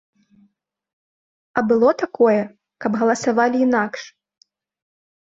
А было такое, каб галасавалі інакш?